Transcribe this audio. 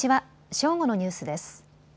正午のニュースです。